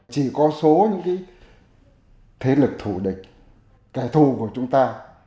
chỉ có số những thế lực thủ địch kẻ thù của chúng ta